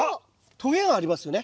とげがありますよね。